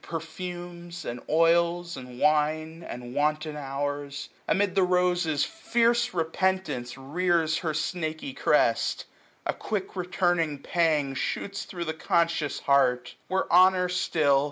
Perfumes, and oils, and wine, and wanton hours ; Amid the roses fierce Repentance rears 996 Her snaky crest : a quick returning pang Shoots thro* the conscious heart ; where honour still.